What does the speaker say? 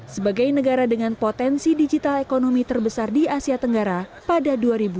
sebagai negara dengan potensi digital ekonomi terbesar di asia tenggara pada dua ribu dua puluh